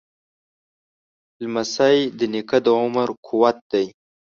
لمسی د نیکه د عمر قوت دی.